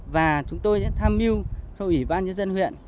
và chúng tôi đã tham mưu cho ủy ban nhân dân huyện